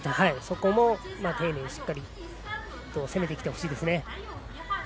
そこも丁寧にしっかりと攻めてきてほしいですね。